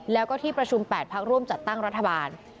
แล้วก็ที่ประชุม๘พักร่วมจัดตั้งรัฐบาล